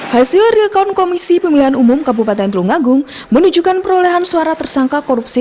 hasil real count komisi pemilihan umum kabupaten tulungagung menunjukkan perolehan suara tersangka korupsi